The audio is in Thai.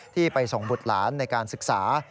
ที่ไปส่งบุตรหลานในการศึกษา